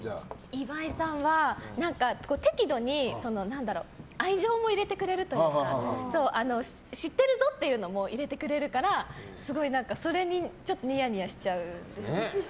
岩井さんは適度に愛情も入れてくれるというか知ってるぞというのも入れてくれるからすごい、それにニヤニヤしちゃうんです。